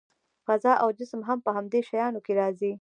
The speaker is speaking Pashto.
فضا او جسم هم په همدې شیانو کې راځي.